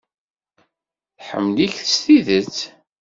Tḥemmel-ik s tidet.